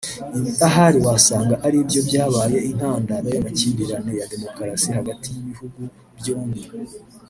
Ibi ahari wasanga ari byo byabaye intandaro y’amakimbirane ya demukarasi hagati y’ibihugu byombi